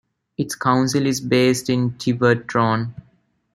Its council is based in Tiverton.